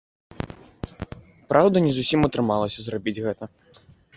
Праўда, не зусім атрымалася зрабіць гэта.